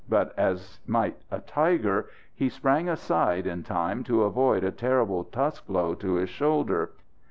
But as might a tiger, he sprang aside in time to avoid a terrible tusk blow to his shoulder.